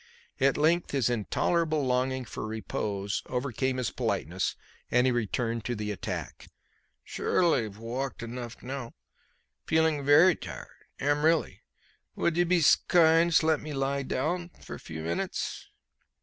At length his intolerable longing for repose overcame his politeness and he returned to the attack. "Surely v' walked enough now. Feeling very tired. Am really. Would you be s'kind 's t'let me lie down few minutes?"